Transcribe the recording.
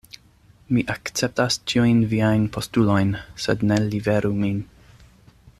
Mi akceptas ĉiujn viajn postulojn; sed ne liveru min.